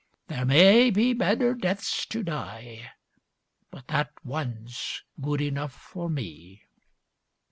There may be better deaths to die, But that one's good enough for me.